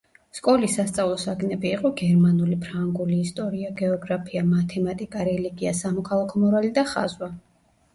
სკოლის სასწავლო საგნები იყო გერმანული, ფრანგული, ისტორია, გეოგრაფია, მათემატიკა, რელიგია, სამოქალაქო მორალი და ხაზვა.